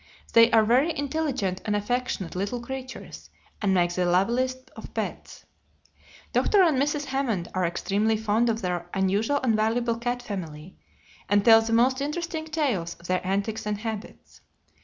They are very intelligent and affectionate little creatures, and make the loveliest of pets. Dr. and Mrs. Hammond are extremely fond of their unusual and valuable cat family, and tell the most interesting tales of their antics and habits.